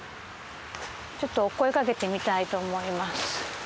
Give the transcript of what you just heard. ちょっとお声かけてみたいと思います。